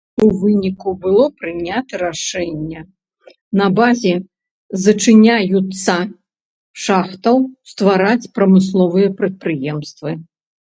У выніку было прынята рашэнне на базе зачыняюцца шахтаў ствараць прамысловыя прадпрыемствы.